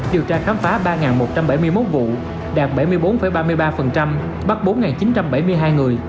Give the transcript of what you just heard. điều tra khám phá ba một trăm bảy mươi một vụ đạt bảy mươi bốn ba mươi ba bắt bốn chín trăm bảy mươi hai người